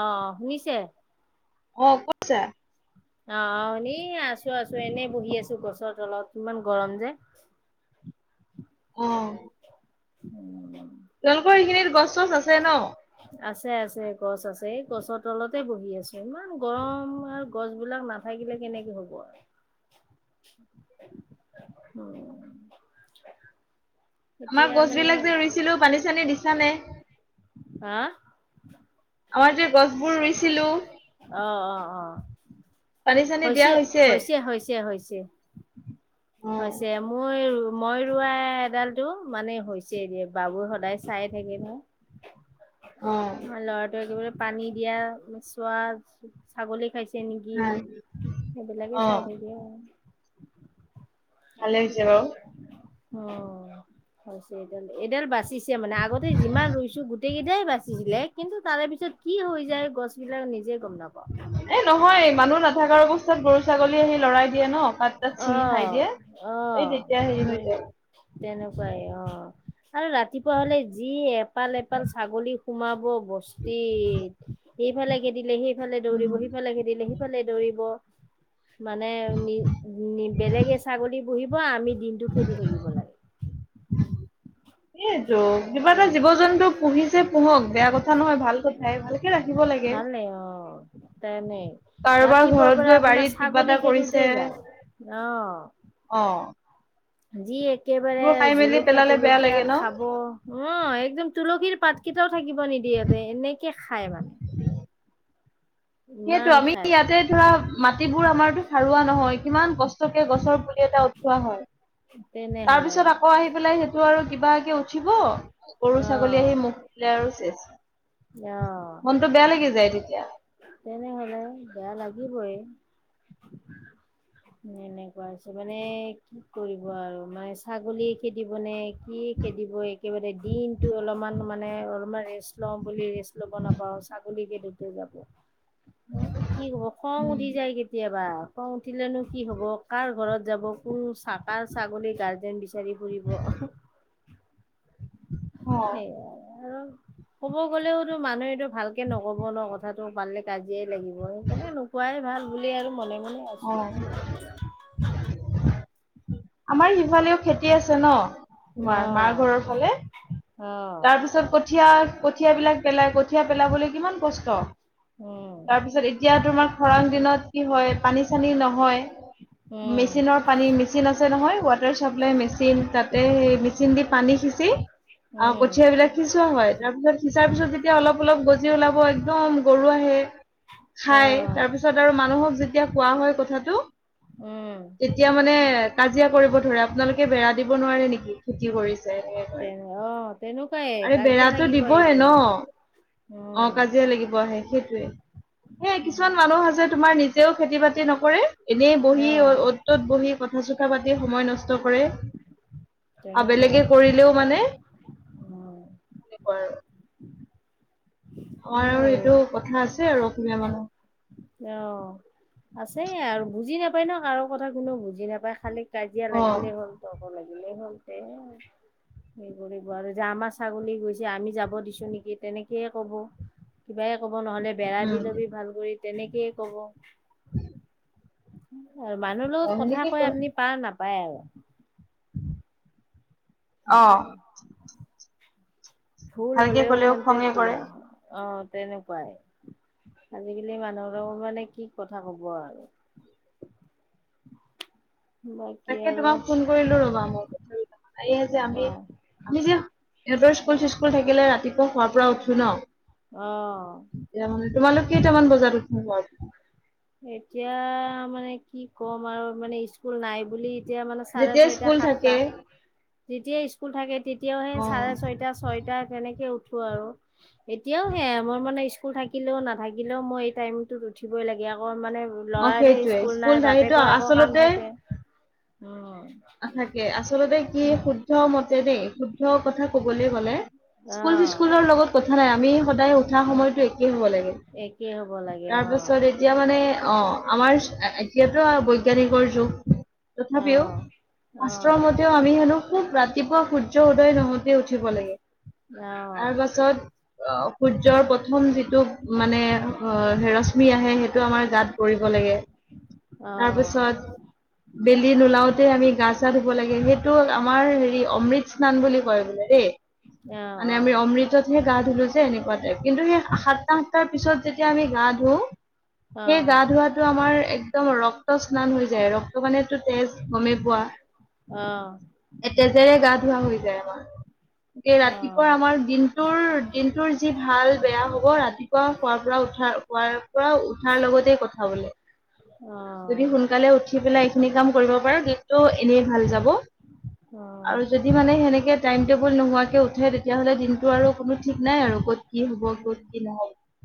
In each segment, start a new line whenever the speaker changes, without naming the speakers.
অহ, শুনিছে?
অহ, ক'ত আছা?
অ', এনেই আছো -আছো এনেই বহি আছো গছৰ তলত ইমান গৰম যে।
[inaudible] অহ
উম
তেওঁলোকৰ এইখিনিত গছ -চছ আছে ন?
আছে -আছে গছ আছে এই গছৰ তলতে বহি আছো ইমান গৰম আৰ গছ বিলাক নাথাকিলে কেনেকে হ'ব আও। উম
আমাৰ গছবিলাক যে ৰুইছিলো পানী চানী দিছা নে?
হা
আমাৰ যে গছবোৰ ৰুইছিলো।
অ অ
পানী চানী দিয়া
হৈছে হৈছে হৈছে হৈছে
অ
হৈছে মই মই ৰোৱা এডালতটো মানে হৈছে দে বাবু সদায় চাই থাকে নহয়।
অ
আমাৰ ল'ৰাটোৱে গৈ পানী দিয়া চোৱা ছাগলী খাইছে চে নেকি
ভাল
সেইবিলাকে
অ
চাই থাকে আৰু
ভালে হৈছে বাৰু
অহ, হৈছে এডাল- এডাল বাচিছ তে মানে আগতে যিমান ৰুইছো গোটেই কেইটাই বাচিছিলে কিন্তু তাৰে পিছত কি হৈ যায় গছ বিলাক নিজে গম নাপাওঁ
এ নহয় মানুহ নথাকাৰ অৱস্থাত গৰু ছাগলী আহি লৰাই দিয়ে ন পাত তাত ছিঙি খাই
অহ
দিয়ে এই
অহ
তেতিয়া হেৰি হৈ
মই
যায়
তেনেকোৱাই অহ। আৰু ৰাতিপুৱা হলে যি এপাল এপাল ছাগলী সোমাব, বস্তি সেইফালে খেদিলে সেইফালে দৌৰিব সিফালে খেদিলে সিফালে দৌৰিব, মানে নি বেলেগে ছাগলী বহিব আমি দিনটো খেদি থাকিব লাগে।
এইটো কিবা এটা জীৱ জন্তু পুহিছে পুহক বেয়া কথা নহয় ভাল কথাই ভালকে ৰা
ভালে অ তেনেই
কাৰোবাৰ
ৰাতিপুৱাৰ
ঘৰত
পৰা
গৈ
আপোনাৰ
বাৰীত কিবা এটা
ছাগলী
কৰিছে
খেদোতে যায়। অহ
অ
যি একেবাৰে
বোৰ খাই মেলি
জলকীয়া
পেলালে বেয়া
তুলকীয়া
লাগে ন
খাব, অ একদম তুলসীৰ পাতকেইটাও থাকিব নিদিয়ে বে এনেকে খায় মানে।
সেইটো
ইমান
আমি
খাই।
ইয়াতে ধৰা মাটিবোৰ আমাৰতো সাৰুৱা নহয় কিমান কষ্ট কে গছৰ পুলি এটা উঠোৱা হয়। তাৰ
তেনেহলে
পিছত আকৌ আহি পেলাই সেইটো আৰু কিবাকে উঠিব, গৰু
অ'
ছাগলী আহি মুখ পিলাই আৰু চেচ
অ'
মনটো বেয়া লাগি যায় তেতিয়া।
তেনেহলে বেয়া লাগিবই। এনেকোৱা হৈছে মানে কি কৰিব আৰু মানে ছাগলী খেদিব নে কি খেদিব একেবাৰে দিনটো অলপমান মানে অলপমান ৰেষ্ট ল'ম বুলি ৰেষ্ট ল'ব নাপাওঁ ছাগলীকেইটা যাব কি হব খং উঠি যায় কেতিয়াবা খং উঠিলেনো কি হব কাৰ ঘৰত যাব কোন চাকাৰ ছাগলী গাৰ্জেন বিচাৰি ফুৰিব।
অ অ
সেইয়াই আৰু ক'ব গ'লেওতো মানুহটো ভালকে নকব ন কথাত পালে কাজিয়াই লাগিব, সেইকাৰণে নোকোৱাই ভাল বুলি আৰু মনে মনে
অ
আছো
আমাৰ সিফালেও খেতি আছে ন
অ
তোমাৰ মাৰ ঘৰৰ ফালে।
অ
তাৰ পিছত কঠিয়া কঠিয়াবলাক পেলাই কঠিয়া পেলাবলৈ কিমান কষ্ট,
উম
তাৰপিছত এতিয়া তোমাক খৰাং দিনত কি হয় পানী চানী নহয়,
উম,
মেচিনৰ পানী মেচিন আছে ৱাটাৰ চাপ্লাই মেচিন তাতে সেই মেচিন দি পানী সিঁচি আৰু
উম,
কঠিয়া বিলাক সিচুৱা হয়। তাৰপিছত সিচাৰ পিছত যেতিয়া অলপ অলপ গজি ওলাব একদম গৰু আহে
সেয়া
খাই
অ',
তাৰপিছত আৰু মানুহক যেতিয়া কোৱা হয় কথাটো
উম।
তেতিয়া মানে কাজিয়া কৰিব ধৰে আপোনালোকে বেৰা দিব নোৱাৰে নেকি খেতি কৰিছে এনেকে কয়
তেনে অ তেনেকোৱাই
আৰে
কাজিয়া
বেৰাটো
লাগিব আহিব।
দিবই ন অ কাজিয়া লাগিব আহে সেই। সেই কিছুমান মানুহ আছে তোমাৰ নিজেও খেতি বাতি নকৰে। এনেই বহি অ অ'ত ত'ত বহি কথা চ। থা পাতি সময় নষ্ট কৰে আৰু
তেনেকুৱাই
বেলেগে কৰিলেও মানে।
উম,
এনেকুৱা আৰু। আমাৰ আৰু
সেয়াই
এইটো কথা আছে আৰু অসমীয়া
অ'। আছে
মানুহ।
আৰু বুজি নাপায় ন কাৰো কথা কোনেও বুজি নাপায় খালি কাজিয়া
অ
লাগিলেই হ'ল ত লাগে। এনে হলতে। সেই কৰিব আৰু যে আমাৰ ছাগলী গৈছে। আমি যাব দিছো নেকি তেনেকে। সে কব কিবাই কব নহ'লে বেৰা দি
উম
লবি ভাল কৰি তেনেকেই কব।
উম [unintelligible]
আৰু মানুহৰ লগত কথা কয় আপুনি পাৰ নাপায় আৰু।
অ
উম ভুল
ভালকে
হলেও
কলেও
ইমানতে
খঙে
ভুল
কৰে
নহয় অহ তেনেকোৱাই আজিকালি মানুহৰ মানে কি কথা কব আৰু। বাকী
তাকে
আৰু
তোমাক ফোন কৰিলো ৰবা মোক সে যে আমি
অ'
আমি যে সিহঁতৰ স্কুল চিস্কুল থাকিলে ৰাতি। হোৱাৰ পৰা উঠো ন? তেতিয়া
অহ।
মানে তোমালোক কেইটামান বজাত। উঠা শুৱাৰ পৰা
এতিয়া। মানে কি ক'ম আৰু মানে স্কুল নাই বুলি এতিয়া মানে চাৰে
যেতিয়াই
ছয়টা,
স্কুল থাকে
সাতটা। যেতিয়া স্কুল থাকে তেতিয়াও সেই
অ
চাৰে ছয়টা, ছয়টা তেনেকে উঠো আৰু। এতিয়াও সেয়া মই মানে স্কুল থাকিলেও নাথাকিলেও মই এই টাইমতত উঠিবই লাগে। আকৌ মানে
অ
ল'ৰাৰহে
সেইটোয়ে
স্কুল নাই
সেইটো
বাপেকৰ আকৌ কাম
আচলতে
থাকে। উম
থাকে আচলতে কি শুদ্ধ মতে দেই শুদ্ধ কথা কবলৈ গ'লে। স্কুল চিস্কুলৰ লগত কথা নাই আমি সদায় উঠা
অ'।
সময়টো একেই হ'ব লাগে।
একেই হ'ব লাগে
তাৰ
অ',
পাছত এতিয়া মানে অ আমাৰ এতিয়াতো বৈজ্ঞানিকৰ যুগ।
অহ।
শাস্ত্ৰ মতেও আমি হেনো খুব ৰাতিপুৱা সূৰ্য উদয় নহতে উঠিব লাগে।
অহ।
অ সূৰ্যৰ প্ৰথম যিটো মানে অ ৰশ্মি আহে সেইটো। টো আমাৰ গাত পৰিব লাগে।
অ',
তাৰপিছত বেলি নোলাওতে আমি। নাচা ধুব লাগে সেইটো আমাৰ হেৰি অমৃত স্নান বুলি কয় বোলে দেই।
অ',
মানে আমি অমৃততহে গা ধুলো যে এনেকুৱাতোই কিন্তু সেই সাতটা সাতটাত। পিছত যেতিয়া আমি গা ধুও সেই গা
অ',
ধোৱাটো আমাৰ একদম ৰক্ত। ৰক্ত স্নান বুলি কয়। ৰক্ত মানেটো তেজ গমেই পোৱা।
অ।
এতেজেৰে গা ধৱোৱা হৈ যায় আমাৰ। গ ৰাতিপুৱা
অ'।
আমাৰ দিনটোৰ দিনটোৰ যি ভাল বেয়া হ'ব ৰাতিপুৱা খোৱাৰ পৰা উঠা। পৰা উঠাৰ লগতে কথা বোলে। যদি সোনকালে উঠি পেলাই এইখিনি কাম কৰিব পাৰা দিনটো এনেই ভাল যাব। আৰু যদি মানে সেনেকে টাইম টেবুল নোহোৱাকে উঠে তেতিয়াহলে দিনটো আৰু কোনো। ঠিক নাই আৰু ক'ত কি হ'ব ক'ত কি নহ'ব।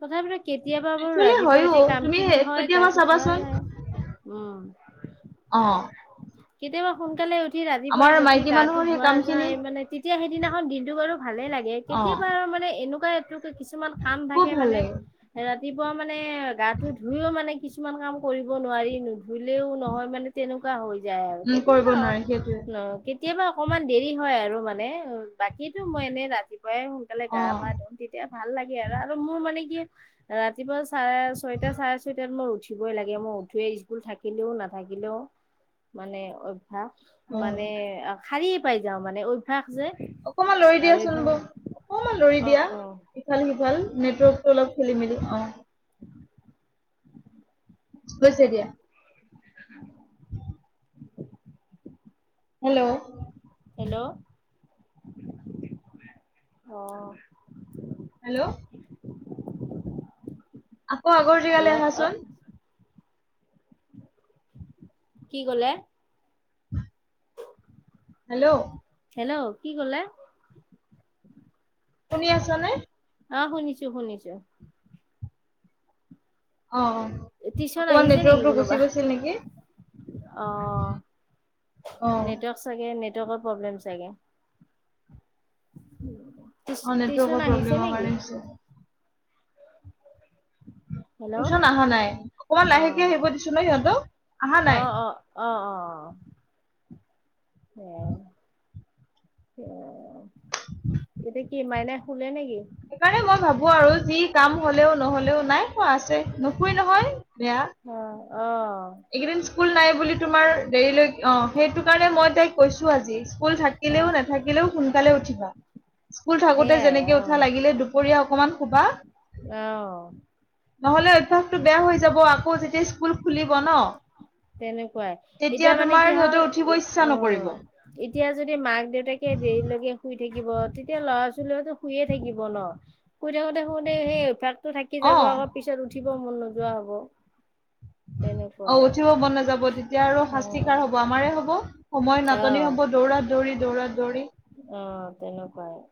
তথাপিটো। কেতিয়াবা বাৰু
একচুৱেলি
ৰাতিপুৱা
হয়ো
উঠি কাম
তুমি
খিনি হয়
কেতিয়াবা
গাটো উঠোৱা
চাবাচোন
যায়। উম
অ।
কেতিয়াবা সোনকালে। উঠি
আমাৰ
ৰাতিপুৱাই গঠি
মাইকী
গাটো
মানুহৰ সেই
ধোৱা
কাম খিনি
যাই মানে তেতিয়া সেইদিনাখন দিনটো কৰাৰো ভালে লাগে।
অ
কেতিয়াবা মানে এনেকুৱা। এইটো কিছুমান কাম
খুব
থাকে
ভাল
মানে
লাগে
ৰাতিপুৱা মানে গাটো ধুইও মানে কিছুমান। কিছুমান কাম কৰিব নোৱাৰি, নুধুলেও নহয় মানে তেনেকুৱা হয়। যায় আৰু
উম কৰিব
কেতিয়াবা
নোৱাৰে সেইটোৱে
ন কেতিয়াবা। অকমান দেৰি হয় আৰু মানে। বাকীতো মই এনেই ৰাতিপুৱাই সোনকালে গা
অ
পা ধুই। ভাল লাগে আৰু মোৰ। মানে কি ৰাতিপুৱা চাৰে ছয় চাৰে ছয়টাত মই উঠিবই লাগে মই উঠোৱে স্কুল থাকিলো। নাথাকিলেও মানে অ।
অ
মানে শাৰীয়ে পাই যাওঁ মানে অভ্যাস। যে
অকমান লৰি
আৰু
দিয়াচোন,
এইফালে
অকমান লৰি
অ
দিয়া
অ
ইফাল সিফাল। নেটৱৰ্কটো অলপ খেলি মেলি অ। হৈছে এতিয়া।
উ [inaudible]
অ [inaudible] হেল্ল'।
হেল্ল' অহ।
হেল্ল'। আকৌ আগৰ
হেল্ল'
জেগালৈ
অ
আচোন।
কি ক'লে?
হেল্ল'।
হেল্ল' কি ক'লে?
শুনি আছ নে?
আহ শুনিছো শুনিছো।
অ', অ',
টিউশন
অকমান
আহিছে নেকি
নেটৱৰ্কটো গুচি
কোনোবা?
গৈছিল নেকি?
অ'
অ',
নেটৱৰ্ক চাগে নেটৱৰ্কৰ প্ৰব্লেম চাগে?
অ'
টিউচন
নেটৱৰ্কৰ
আহিছে
প্ৰব্লেমৰ
নেকি
কাৰণে হৈছে।
হেল্ল'
টিউশচন অহা নাই অকণমান লাহেকে আহিব দিছো ন সিহঁতক। আহা নাই।
আহ অ আহ অ অ। উম। অ' এতিয়া কি মাইনা শুলে নেকি?
সেইকাৰণে মই ভাবো আৰু যি কাম হলেও নহলেও নাই শুৱা আছে নুশুয়ে নহয়। বেয়া।
অ অহ
এইকেইদিন স্কুল নাই বুলি তোমাৰ দেৰিলৈ অ, সেইটো কাৰণে মই তাইক কৈছো আজি স্কুল থাক।
অ
থাকিলেও নাথাকিলেও সোনকালে উঠিবা, স্কুল থাকোতে
সেইয়াই
যেনেকে উঠা লাগিলে দুপৰীয়া। অকমান শুবা।
আহ।
নহলে অভ্যাসটো বেয়া হৈ যাব আকৌ যেতিয়া স্কুল খুলিব ন।
তেনেকুৱাই
তেতিয়া
এতিয়া মানে
তোমাৰ
কি হ'ল
সিহঁতে উঠিব ইচ্ছা
অ
নকৰিব
এতিয়া যদি মাক দেউতাকে। দেৰিলৈকে শুই থাকিব, তেতিয়া ল'ৰা ছোৱালীতো শুইয়ে থাকিব ন? শুই থাকোতে শুতে সেই অভ্যাসতটো থাকি
অ
যাব আকৌ পিছত উঠিব মন নোযোৱা হব,
অ উঠিব
তেনেকুৱাই
মন নাযাব তেতিয়া আৰু শাস্তি কাৰ হব আমাৰে হ'ব সময় নাটনি হ'ব দৌৰা দৌৰি দৌ।
অ' তেনেকুৱাই।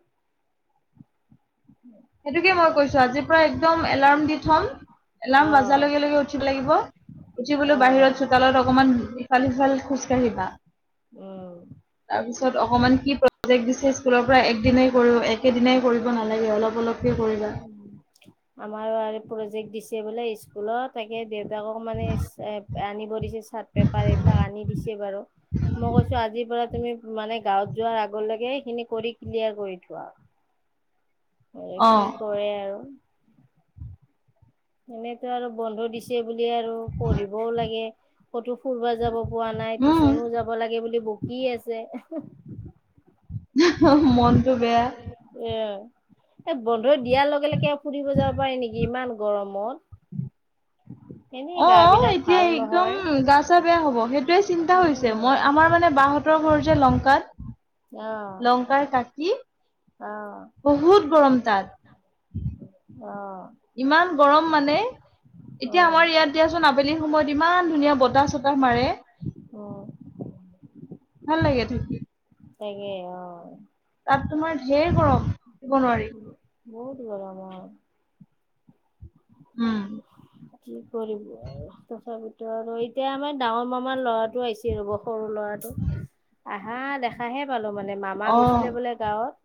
সেইটোকে মই কৈছো আজিৰ পৰা একদম এলাৰ্ম দি থ'ম। এলাৰাম
অ
বাজাৰ লগে লগে উঠিব লাগিব উঠি বোলো
অ
বাহিৰত চোতালত অকমান। ইফাল সিফাল খোজ কাঢ়িবা।
উম।
তাৰপিছত অকমান কি প্ৰজেক্ট দিছে স্কুলৰ পৰা একদিনাই একেদিনাই কৰিব নালাগে অলপ। অলপকে কৰিবা
আমাৰো প্ৰজেক্ট দিছে বোলে স্কুলত তাকে দেউ। তাকক মানে আনিব দিছে চাৰ্ট পেপাৰ এইবিলাক আনি দিছে বাৰু। মই কৈছো আজিৰ পৰা তুমি। মানে গাঁৱত যোৱাৰ আগলৈকে সেইখিনি কৰি ক্লিয়াৰ কৰি থোৱা। আৰু
অ
কি কৰে আৰু এনেতো আৰু বন্ধ দিছে। বুলি আৰু পঢ়িবও লাগে। ক'তো ফুৰিব যাব পোৱা নাই, টিউচনো যাব লাগে বুলি বকি আছে।
উম মনটো বেয়া
এ, এই ব দিয়াৰ লগে লগে আৰু ফুৰিব যাব পাৰি নেকি ইমান গৰমত। এনেই
অ
গা
অ
বিলাক
এতিয়া
ভাল
একদম
নহয়
গা চা বেয়া হব, সেইটোয়ে চিন্তা হৈছে মই
উম
আমাৰ মানে বাহতৰ ঘৰ লংকাত, লংকাৰ কাকি
অ অ
বহুত গৰম তাত।
অ।
ইমান গৰম মানে এতিয়া
অ',
আমাৰ ইয়াত দিয়াচোন আবেলিৰ সময়ত ইমান ধুনীয়া বতাহ চতাহ মাৰে।
অ',
ভাল লাগে থাকি।
তাকে অ।
তাত তোমাৰ ধঢেৰ গৰম দিব নোৱাৰি।
বহুত গৰম।
উম।
কি কৰিব আৰু তথাপিতো আৰু এতিয়া আমাৰ ডাঙৰ মামাৰ ল টো আহিছে ৰ'ব সৰু ল'ৰাটো, আহা দেখাহে পালো মানে মামা
অ
গৈছিলে বোলে গাঁৱত।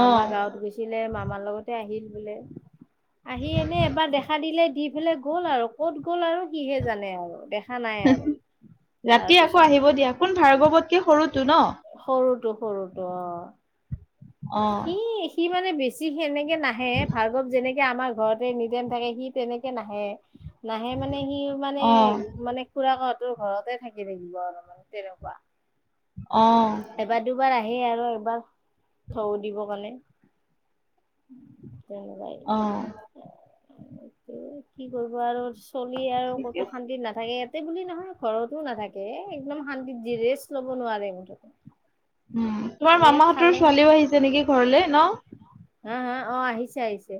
অ
গাঁৱত গৈছিলে, মামাৰ লগতে আহিল বোলে। আহি এনে এবাৰ দেখা দিলে দি পেলাই গ'ল আৰু ক'ত গ'ল আৰু? কিহে জানে আৰু দেখা নাই আৰু তাৰ পিছত।
সেই সৰুটো ন?
সৰুটো অ।
অ।
সি সি মানে বেছি সেনেকে নাহে ভাৰগব যেনেক আমাৰ ঘৰতে নিদেম থাকে সি তেনেকে নাহে। নাহে মানে সি মানে
অ
মানে খুৰাকত তোৰ ঘৰতে থাকি থাকিব আৰু মানে তেনেকুৱা।
অ'।
সেই আৰু এবাৰ থৌ দিব কাৰণে।
অ
কি কৰব আৰু চলি আৰু
ঠিক
ক'তো
আছে
শান্তিত নাথাকে। ত বুলি নহয় ঘৰতো নাথাকে, এ একদম শান্তিত জিৰেষ্ট লব নোৱাৰে মুঠতে।
উম, তোমাৰ
এ
মামাহঁতৰ
খালে নে
ছোৱালীও আহিছে নেকি ঘৰলে ন?
হা হা অ আহিছে আহিছে,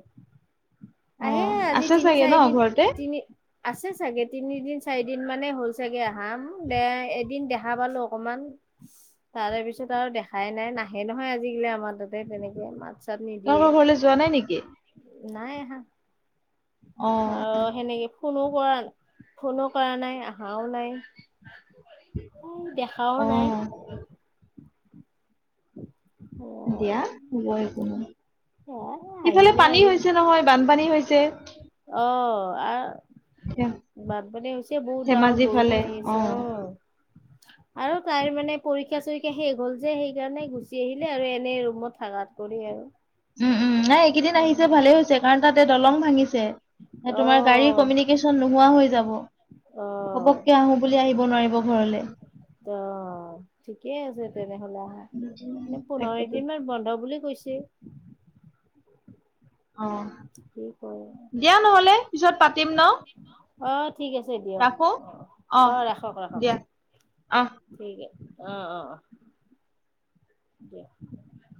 আহে
অ',
আজি
আছে
তিনি-
চাগে ন
চাৰিদিন
ঘৰতে?
তিনি আছে চাগে তিনিদিন -চাৰিদিন মানে হ'ল চাগে আহাম দে এদিন দেখা দেখা পালো অকমান, তাৰে পিছত আৰু দেখাই নাই নাহে নহয় আজিকালি আমাৰ তাতে তেনেকে মা
তহতৰ ঘৰলৈ যোৱা নাই নেকি?
নাই আহা? অ সেনেকে ফোনো কৰা ফোনো কৰা নাই, আহাও নাই? দেখাও নাই?
অ', দিয়া, বই কোনো ইফালে
আহিলে
পানী
আহিব
হৈছে নহয় বানপানী হৈছে।
অ আহ
ধে-
বানপানী হৈছে বহুত ডাঙৰ
ধেমাজি ফালে
বৰষুণ আহি
অ'।
আছে অহ। আৰু তাইৰ মানে পৰীক্ষা- চৰিক্ষা শেষ হ'ল যে, সেইকাৰণে গুচি আহিলে আৰু এনে ৰুমত থাকাত। কৰি আৰু
উম, উম নাই, এইকেইদিন আহিছে ভালেই হৈছে কাৰণ তাতে দলং ভাঙিছে, তোমাৰ গাড়ীৰ
অ',
কমিউনিকেশ্যন নো নোহোৱা হৈ যাব।
অ',
সপককে আহো বুলি আহিব নোৱাৰিব ঘৰলে।
ত ঠিকেই আছে তেনেহলে আহা এ পোন্ধৰ
তাকেতো
দিন মান বন্ধ বুলি কৈছে।
অ',
কি ক
দিয়া নহ'লে পিছত পাতিম ন
অ। ঠিক আছে দিয়ক
ৰাখো।
অ অ ৰাখক ৰাখক।
দিয়া অ'।
ঠিকে আছে অহ অহ অহ। [unintelligible]